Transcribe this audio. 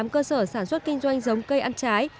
năm mươi tám cơ sở sản xuất kinh doanh giống cây ăn trái